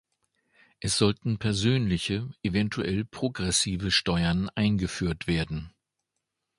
Es sollten persönliche, eventuell progressive Steuern eingeführt werden.